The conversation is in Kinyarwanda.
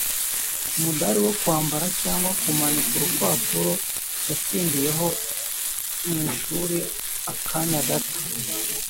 umudali wo kwambara cyangwa kumanika urupapuro yatsindiyeho mu shuri akanya gato